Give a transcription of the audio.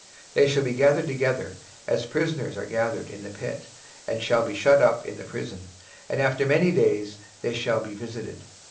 23:024:022 And they shall be gathered together, as prisoners are gathered in the pit, and shall be shut up in the prison, and after many days shall they be visited.